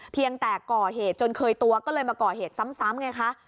เพียงแต่ก่อเหตุจนเคยตัวก็เลยมาก่อเหตุซ้ำไงคะ